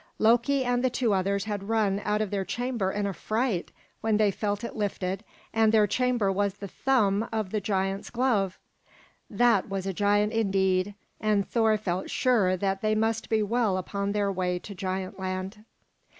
Loki and the two others had run out of their chamber in affright when they felt it lifted; and their chamber was the thumb of the giant's glove. That was a giant indeed, and Thor felt sure that they must be well upon their way to Giant Land.